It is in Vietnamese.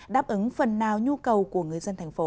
đáp ứng phần nào nhu cầu của người